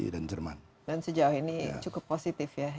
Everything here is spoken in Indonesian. dan sejauh ini cukup positif ya